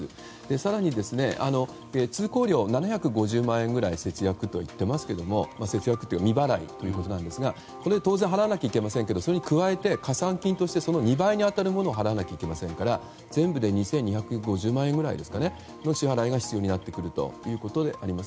更に、通行料７５０万円ぐらい節約といっていますが節約というか未払いということなんですがこれは当然払わなきゃいけませんがこれに加えて加算金としてその２倍に当たるものを払わなければいけませんから全部で２２５０万円くらいの支払いが必要になってくるということになります。